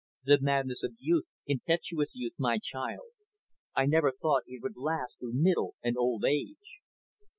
"The madness of strong, impetuous youth, my child. I never thought it would last through middle and old age."